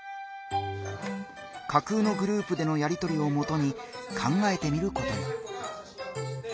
架空のグループでのやりとりをもとに考えてみることに。